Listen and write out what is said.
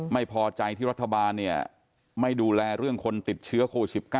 ไม่พอใจที่รัฐบาลไม่ดูแลเรื่องคนติดเชื้อโควิด๑๙